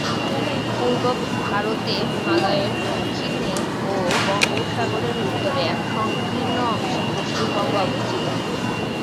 পূর্ব ভারতে হিমালয়ের দক্ষিণে ও বঙ্গোপসাগরের উত্তরে এক সংকীর্ণ অংশে পশ্চিমবঙ্গ অবস্থিত।